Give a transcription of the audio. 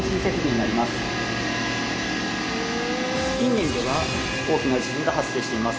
近年では大きな地震が発生しています。